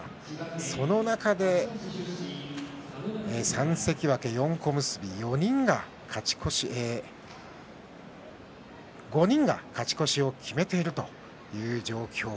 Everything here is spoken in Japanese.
その中で３関脇４小結５人が勝ち越しを決めているという状況。